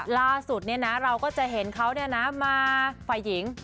ล่าสุดเราก็จะเห็นเขามาฝ่ายหญิง